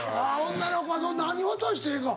女の子はそう何渡してええか。